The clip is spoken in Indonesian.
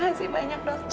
makasih banyak dokter